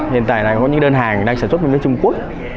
hiện tại đang có những đơn hàng đang sản xuất nước trung quốc